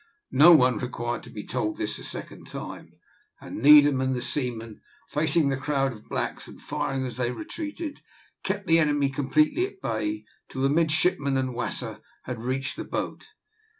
No one required to be told this a second time, and Needham and the seamen, facing the crowd of blacks, and firing as they retreated, kept the enemy completely at bay till the midshipmen and Wasser had reached the boat.